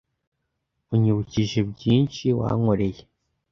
Unyibukije byinshi wankoreye